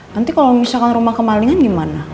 nanti kalau misalkan rumah kemalingan gimana